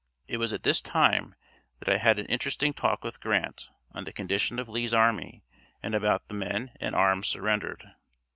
It was at this time that I had an interesting talk with Grant on the condition of Lee's army and about the men and arms surrendered.